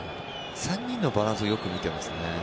３人のバランスをよく見ていますね。